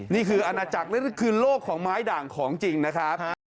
นี่คืออาณาจักรนั่นคือโลกของไม้ด่างของจริงนะครับ